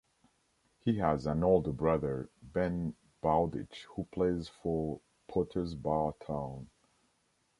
He has an older brother, Ben Bowditch, who plays for Potters Bar Town.